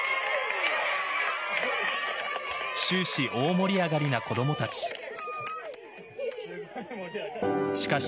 終始、大盛り上がりな子どもたちしかし